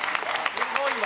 すごいわ。